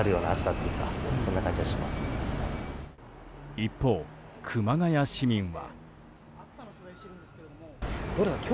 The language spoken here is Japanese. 一方、熊谷市民は。